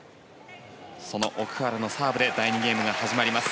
その奥原のサーブで第２ゲームが始まります。